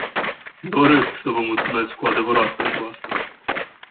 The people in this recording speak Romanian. Doresc să vă mulțumesc cu adevărat pentru asta.